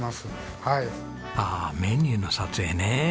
ああメニューの撮影ね。